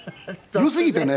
よすぎてね